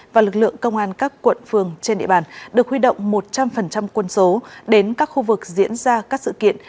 và lực lượng công an các quận phường trên địa bàn được huy động một trăm linh quân số đến các khu vực diễn ra các sự kiện